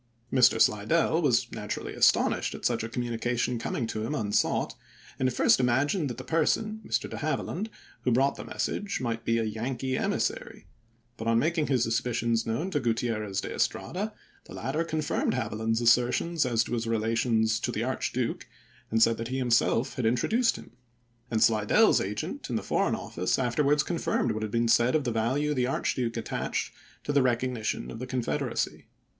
Mr. Slidell was naturally astonished at such a communication coming to him unsought, and at first imagined that the person, Mr. De Haviland, who brought the message, might be " a Yankee emissary "; but on making his sus picions known to Gutierrez de Estrada the latter confirmed Haviland's assertions as to his relations to the Archduke, and said that he himself had in MAXIMILIAN 413 troduced him ; and Slidell's agent in the Foreign chap. xiv. Office afterwards confirmed what had been said of the value the Archduke attached to the recogni tion of the Confederacy.